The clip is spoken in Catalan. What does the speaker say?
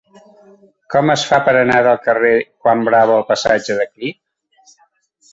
Com es fa per anar del carrer de Juan Bravo al passatge de Clip?